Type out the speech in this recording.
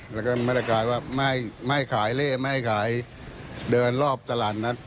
แล้วก็มาตรการว่าไม่ขายเล่ไม่ให้ขายเดินรอบตลาดนัด